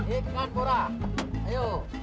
ikan burah ayo